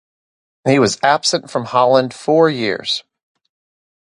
He was absent from Holland four years.